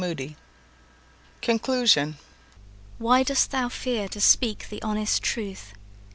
CHAPTER XIX Conclusion "Why dost thou fear to speak the honest truth?